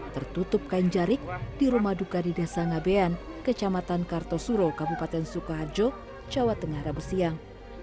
tertutup kain jarik di rumah duka di desa ngabean kecamatan kartosuro kabupaten sukoharjo jawa tengah rabu siang